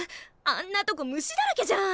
あんなとこ虫だらけじゃん！